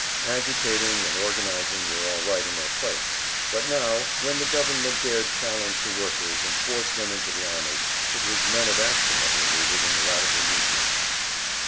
Agitating and organizing were all right in their place, but now, when the government dared challenge the workers and force them into the army, it was men of action that were needed in the radical movement.